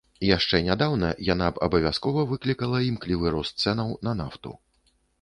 Яшчэ нядаўна яна б абавязкова выклікала імклівы рост цэнаў на нафту.